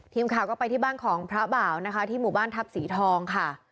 ทีมข่าวก็ไปที่บ้านของพระบ่าวนะคะที่หมู่บ้านทัพสีทองค่ะ